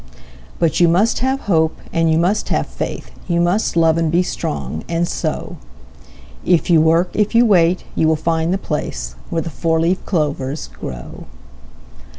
But you must have faith and you must have hope, You must love and be strong, and so If you work, if you wait, you will find the place Where the four leaf clovers grow.